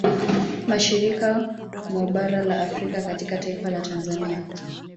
Mashariki mwa bara la Afrika katika taifa la Tanzania